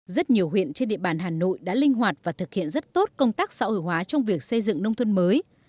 rất nhiều huyện trên địa bàn hà nội đã linh hoạt và thực hiện rất tốt công tác xã hội hóa trong việc xây dựng nông thôn mới